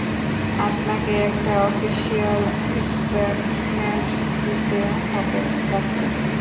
আপনাকে একটা official statement দিতে হবে, ডাক্তার।